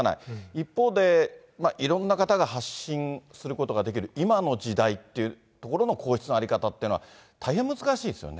一方で、いろんな方が発信することができる今の時代ってところの皇室の在り方というのは、大変難しいですよね。